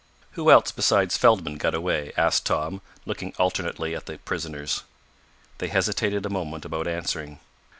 "Who else besides Feldman got away?" asked Tom, looking alternately at the prisoners. They hesitated a moment about answering.